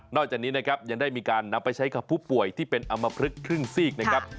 จากนี้นะครับยังได้มีการนำไปใช้กับผู้ป่วยที่เป็นอำมพลึกครึ่งซีกนะครับ